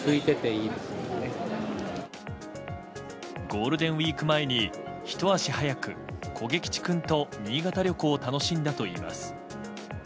ゴールデンウィーク前にひと足早くこげきち君と新潟旅行を楽しんだといいます。